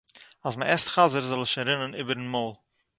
אַז מען עסט חזיר, זאָל עס שוין רינען איבערן מויל.